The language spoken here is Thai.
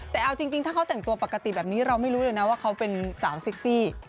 แต่เอาจริงถ้าเขาแต่งตัวปกติแบบนี้เราไม่รู้เลยนะว่าเขาเป็นสาวเซ็กซี่